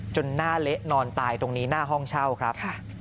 หน้าเละนอนตายตรงนี้หน้าห้องเช่าครับ